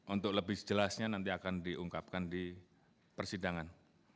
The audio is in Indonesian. untuk lebih jelasnya nanti akan diungkapkan di persidangan